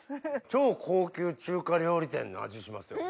超高級中華料理店の味しますよ。